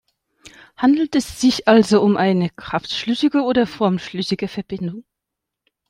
Handelt es sich also um eine kraftschlüssige oder formschlüssige Verbindung?